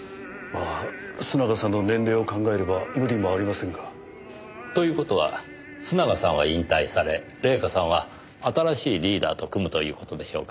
須永さんの年齢を考えれば無理もありませんが。という事は須永さんは引退され礼夏さんは新しいリーダーと組むという事でしょうか？